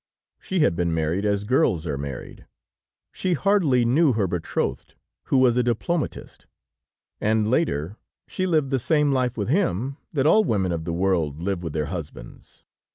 She had been married as girls are married; she hardly knew her betrothed, who was a diplomatist, and later, she lived the same life with him that all women of the world live with their husbands.